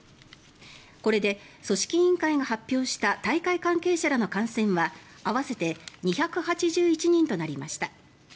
これで、組織委員会が発表した大会関係者らの感染は合わせて２８１人となりました。